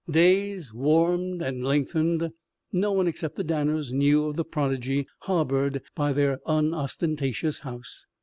The days warmed and lengthened. No one except the Danners knew of the prodigy harboured by their unostentatious house.